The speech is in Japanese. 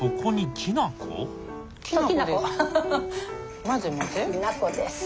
きな粉です。